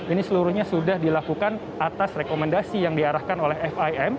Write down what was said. ini seluruhnya sudah dilakukan atas rekomendasi yang diarahkan oleh fim